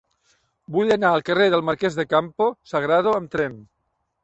Vull anar al carrer del Marquès de Campo Sagrado amb tren.